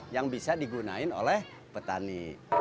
yang bisa digunakan oleh petani